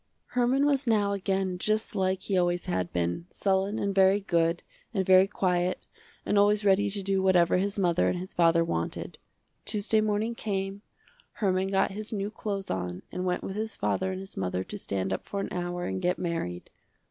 Herman was now again just like he always had been, sullen and very good, and very quiet, and always ready to do whatever his mother and his father wanted. Tuesday morning came, Herman got his new clothes on and went with his father and his mother to stand up for an hour and get married.